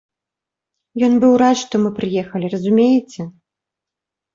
Ён быў рад, што мы прыехалі, разумееце.